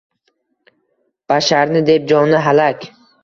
Basharni deb joni halak